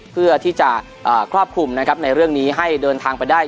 เพื่อที่จะครอบคลุมนะครับในเรื่องนี้ให้เดินทางไปได้